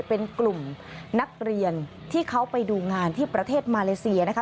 เป็นกลุ่มนักเรียนที่เขาไปดูงานที่ประเทศมาเลเซียนะคะ